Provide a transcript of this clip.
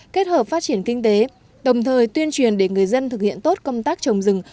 kết hợp phát triển kinh tế đồng thời tuyên truyền để người dân thực hiện tốt công tác trồng rừng